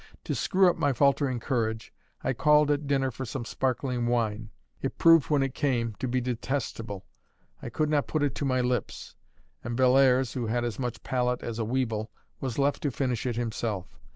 To screw up my faltering courage, I called at dinner for some sparkling wine. It proved when it came to be detestable; I could not put it to my lips; and Bellairs, who had as much palate as a weevil, was left to finish it himself.